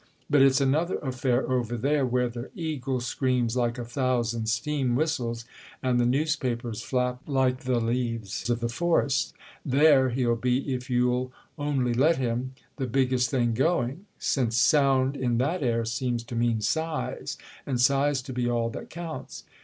But it's another affair over there where the eagle screams like a thousand steam whistles and the newspapers flap like the leaves of the forest: there he'll be, if you'll only let him, the biggest thing going; since sound, in that air, seems to mean size, and size to be all that counts.